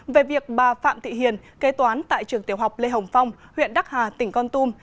về việc bà phạm thị hiền kế toán tại trường tiểu học lê hồng phong huyện đắc hà tỉnh con tum